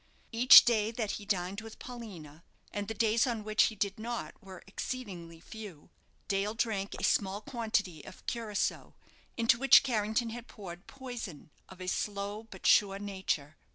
Each day that he dined with Paulina and the days on which he did not were exceedingly few Dale drank a small quantity of curaçoa, into which Carrington had poured poison of a slow but sure nature.